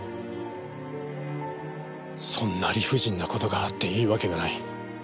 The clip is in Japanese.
そんな理不尽な事があっていいわけがない。